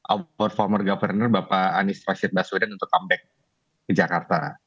our former governor bapak anies baswedan untuk comeback ke jakarta